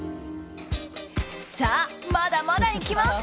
さあ、まだまだいきます！